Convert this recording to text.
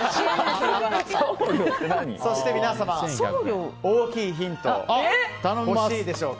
そして皆様、大きいヒント欲しいでしょうか？